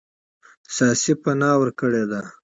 سیاسي پناه ورکړې ده.